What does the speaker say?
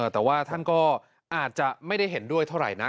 แต่ว่าท่านก็อาจจะไม่ได้เห็นด้วยเท่าไหร่นะ